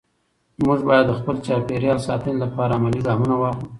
موږ باید د چاپېریال ساتنې لپاره عملي ګامونه واخلو